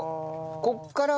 ここから？